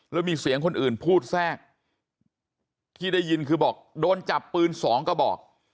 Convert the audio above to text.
แล้วมีเสียงคนอื่นพูดแทรกที่ได้ยินคือบอกโดนจับปืนสองกระบอก